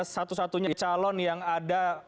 satu satunya calon yang ada